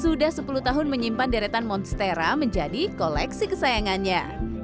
sudah sepuluh tahun menyimpan deretan monstera menjadi koleksi kesayangannya